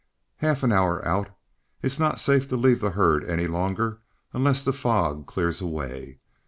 "Half an hour out. It's not safe to leave the herd any longer unless the fog clears away.